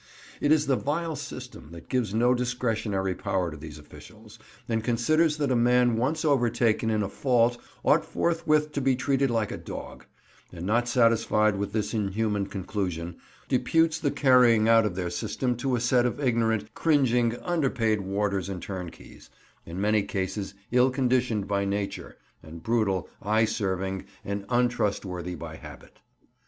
It is the vile system that gives no discretionary power to these officials, and considers that a man once overtaken in a fault ought forthwith to be treated like a dog; and, not satisfied with this inhuman conclusion, deputes the carrying out of their system to a set of ignorant, cringing, underpaid warders and turnkeys—in many cases ill conditioned by nature, and brutal, eye serving, and untrustworthy by habit.